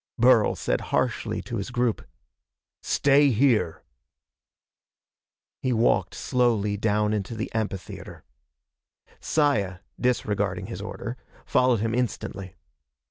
Burl said harshly to his group: "Stay here!" He walked slowly down into the amphitheater. Saya, disregarding his order, followed him instantly.